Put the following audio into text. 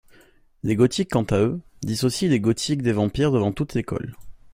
Les gothiques quant à eux, dissocient les gothiques des vampires devant toute l'école.